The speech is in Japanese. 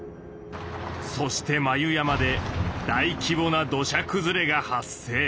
そして眉山で大規模な土砂くずれが発生。